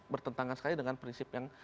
bertentangan sekali dengan prinsip yang